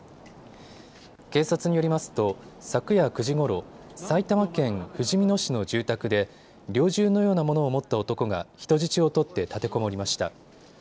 警察によりますと昨夜９時ごろ、埼玉県ふじみ野市の住宅で猟銃のようなものを持った男が人質を取って立てこもりました。